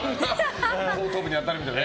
後頭部に当たるみたいな。